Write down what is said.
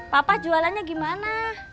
papa jualannya gimana